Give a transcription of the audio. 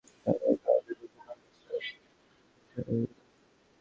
মোহাম্মদপুর এলাকার রিং রোডে শ্যামলী ক্লাব মাঠের বিপরীতে নতুন রেস্তোরাঁ ঘোস্ট রাইডারজ ক্যাফে।